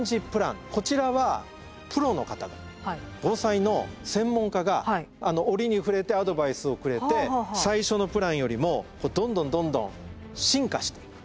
こちらはプロの方が防災の専門家が折に触れてアドバイスをくれて最初のプランよりもどんどんどんどん進化していく。